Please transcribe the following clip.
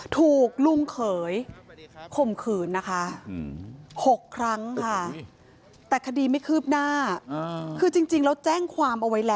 ถูกรุ้งเขยข่มขื่นหกครั้งค่ะ